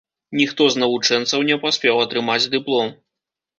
Ніхто з навучэнцаў не паспеў атрымаць дыплом.